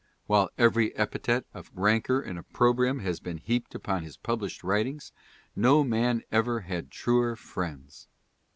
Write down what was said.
While every epithet of rancor and op probrium has been heaped upon his published writings, no man ever had truer friends.